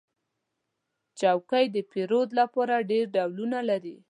چوکۍ د پیرود لپاره ډېر ډولونه لري.